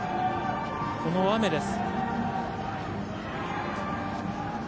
この雨です。